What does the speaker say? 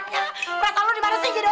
perasaan lo dimana sih jadi orang